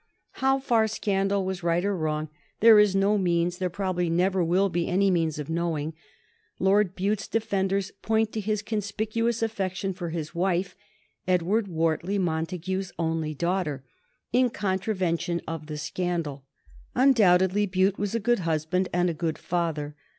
How far scandal was right or wrong there is no means, there probably never will be any means, of knowing. Lord Bute's defenders point to his conspicuous affection for his wife, Edward Wortley Montagu's only daughter, in contravention of the scandal. Undoubtedly Bute was a good husband and a good father.